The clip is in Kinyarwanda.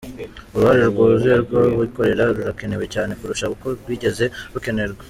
Uruhare rwuzuye rw’ abikorera rurakenewe cyane kurusha uko rwigeze rukenerwa”.